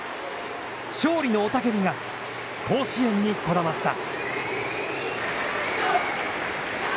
勝利の雄叫びが甲子園にこだました！